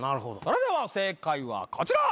それでは正解はこちら！